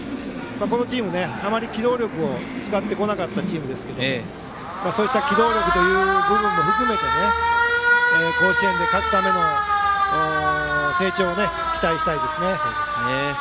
このチーム、あまり機動力を使ってこなかったチームですがそうした機動力という部分で甲子園で勝つための成長を期待したいですね。